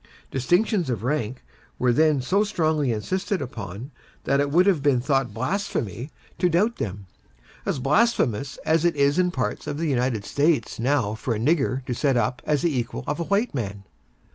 Distinctions of rank were then so strongly insisted upon, that it would have been thought blasphemy to doubt them, as blasphemous as it is in parts of the United States now for a nigger to set up as the equal of a white man.